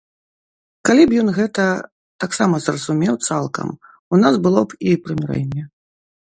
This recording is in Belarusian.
Калі б ён гэта таксама зразумеў цалкам, у нас было б і прымірэнне.